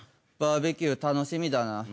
バーベキュー楽しみだな。